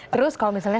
terus kalau misalnya